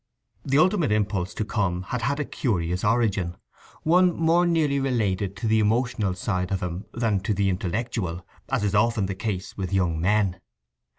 The ultimate impulse to come had had a curious origin—one more nearly related to the emotional side of him than to the intellectual, as is often the case with young men.